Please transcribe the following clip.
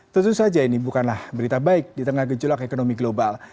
tentu saja ini bukanlah berita baik di tengah gejolak ekonomi global